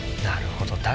なるほど。